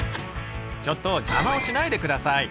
ちょっと邪魔をしないで下さい！